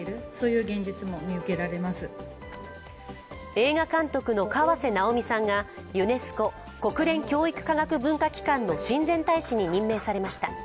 映画館の河瀬直美さんがユネスコ＝国際教育科学文化機関の親善大使に任命されました。